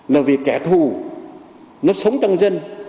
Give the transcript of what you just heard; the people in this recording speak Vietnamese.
là vì kẻ thù nó sống trong dân